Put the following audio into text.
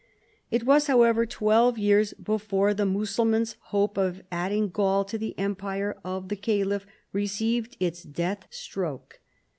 It was, however, twelve years before the Mussul man's hope of adding Gaul to the Empire of the Caliph received its death stroke.